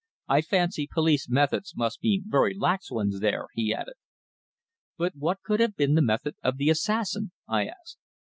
I fancy police methods must be very lax ones there," he added. "But what could have been the method of the assassin?" I asked.